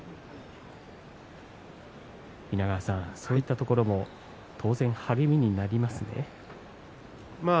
稲川さんそういったところも当然励みになりますよね。